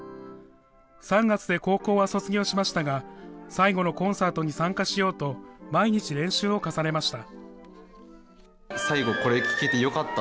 ３月で高校は卒業しましたが、最後のコンサートに参加しようと、毎日練習を重ねました。